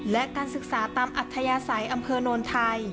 และการศึกษาตามอัธยาศัยอำเภอโนนไทย